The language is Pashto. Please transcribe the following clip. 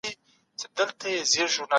خلکو د ټولنیزو علومو ارزښت درک کړ.